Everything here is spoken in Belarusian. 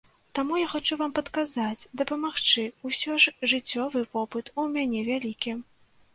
Таму я хачу вам падказаць, дапамагчы, усё ж жыццёвы вопыт у мяне вялікі.